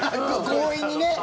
強引にね。